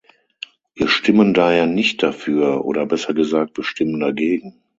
Wir stimmen daher nicht dafür, oder besser gesagt, wir stimmen dagegen.